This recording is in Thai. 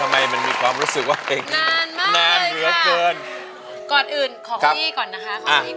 ไม่มีทรงใจ